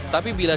tapi bila digelar